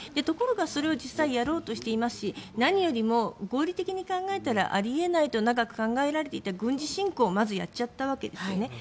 ところが、それを実際やろうとしていますし何よりも合理的に考えたらあり得ないと長く考えられていた軍事侵攻をまずやっちゃったわけです。